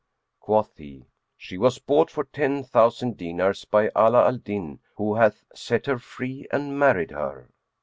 Quoth he, "She was bought for ten thousand dinars by Ala al Din, who hath set her free and married her."